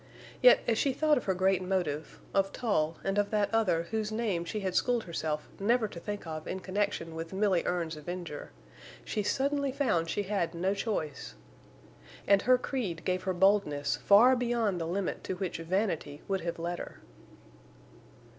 Yet as she thought of her great motive, of Tull, and of that other whose name she had schooled herself never to think of in connection with Milly Erne's avenger, she suddenly found she had no choice. And her creed gave her boldness far beyond the limit to which vanity would have led her.